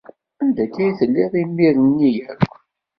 Anda akka ay telliḍ imir-nni akk?